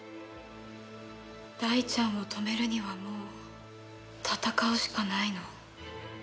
大ちゃんを止めるにはもう戦うしかないの？